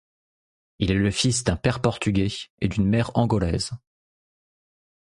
Il est le fils d'un père portugais et d'une mère angolaise.